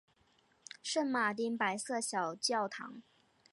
圣马丁白色小教堂。